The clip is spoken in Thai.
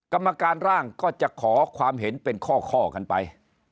กรรมการร่างก็จะขอความเห็นเป็นข้อกันไป